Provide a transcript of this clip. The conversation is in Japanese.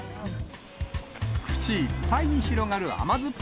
口いっぱいに広がる甘酸っぱ